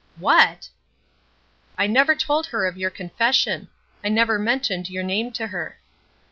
"What!" "I never told her of your confession. I never mentioned your name to her."